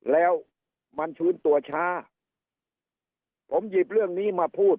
แล้วมันฟื้นตัวช้าผมหยิบเรื่องนี้มาพูด